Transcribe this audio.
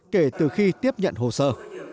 kể từ khi tiếp nhận hồ sơ